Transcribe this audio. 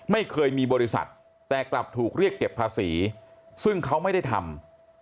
ไม่เคยมีบริษัทแต่กลับถูกเรียกเก็บภาษีซึ่งเขาไม่ได้ทำ